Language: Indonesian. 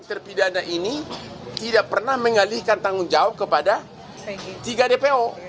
terpidana ini tidak pernah mengalihkan tanggung jawab kepada tiga dpo